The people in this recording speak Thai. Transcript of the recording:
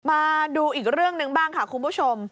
มาดูอีกเรื่องหนึ่งบ้างค่ะคุณผู้ชม